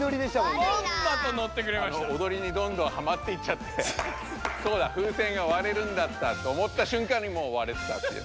おどりにどんどんはまっていっちゃってそうだ風船が割れるんだったと思った瞬間にもう割れてたっていう。